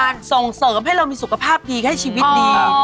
ส่งเสริมให้เรามีสุขภาพดีให้ชีวิตดี